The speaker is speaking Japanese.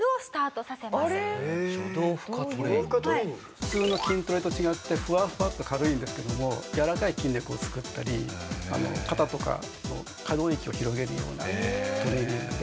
普通の筋トレと違ってフワッフワッて軽いんですけどもやわらかい筋肉を作ったり肩とかの可動域を広げるようなトレーニングで。